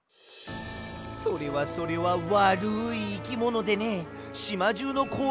それはそれはわるいいきものでねしまじゅうのこおりをとかすんだよ。